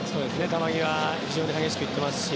球際、非常に激しくいっていますし。